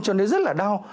cho nên rất là đau